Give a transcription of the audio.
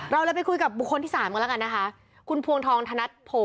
เราไปคุยกับบุคคลที่๓เมื่อกันนะคะ